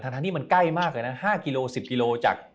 ทั้งที่มันใกล้มากเลยนะ๕กิโล๑๐กิโลจาก